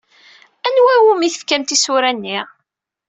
Anwa umi tefkam tisura-nni?